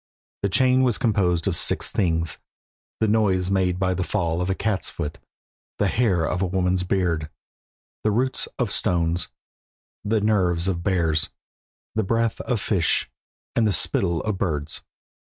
This chain was composed of six things the noise made by the fall of a cat's foot, the hair of a woman's beard, the roots of stones, the nerves of bears, the breath of fish, and the spittle of birds.